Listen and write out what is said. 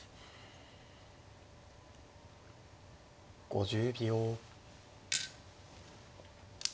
５０秒。